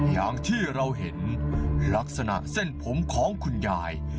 อย่างที่เราเห็นลักษณะเส้นผมของคุณยาย